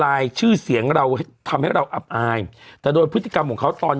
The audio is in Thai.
ชื่อเสียงเราทำให้เราอับอายแต่โดยพฤติกรรมของเขาตอน